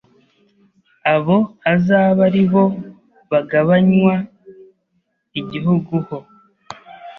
Abo azabe ari bo bagabanywa igihugu ho